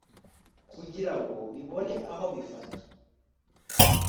kugira ngo bibone aho bifata